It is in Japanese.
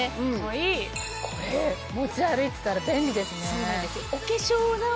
これ持ち歩いてたら便利ですね。